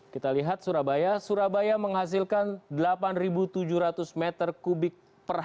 kita lihat surabaya surabaya menghasilkan delapan tujuh ratus meter kubik